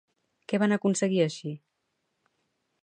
Què van aconseguir així?